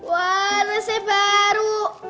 wah resep baru